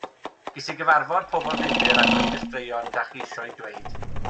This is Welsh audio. Ges i gyfarfod pobl ddifyr a dweud y straeon 'da chi isio'u dweud.